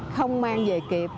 không mang về kịp